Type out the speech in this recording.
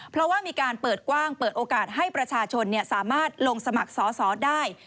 เพราะว่ามีการเปิดกว้างเปิดโอกาสให้ประชาชนสามารถลงสมัครสอสอได้